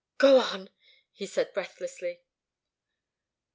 "Go on!" he said, breathlessly.